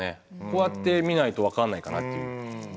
こうやってみないと分からないかなっていう。